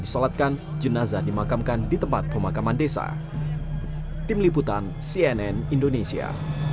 disolatkan jenazah dimakamkan di tempat pemakaman desa tim liputan cnn indonesia